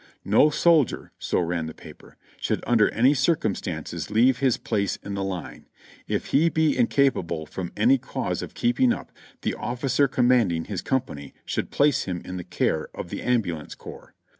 "No soldier," so ran the paper, "should under any circum stances leave his place in the line. If he be incapable from any cause of keeping up, the officer commanding his company should place him in the care of the ambulance corps.